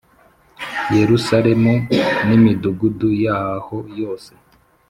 Yerusalemu n imidugudu yaho yose